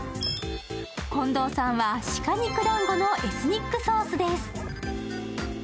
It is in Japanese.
近藤さんは鹿肉団子のエスニックソースです。